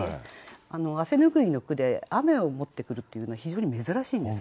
汗拭いの句で「雨」を持ってくるっていうのは非常に珍しいんです。